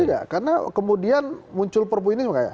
tidak karena kemudian muncul perpu ini